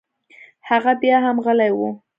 هغه بيا هم غلى و.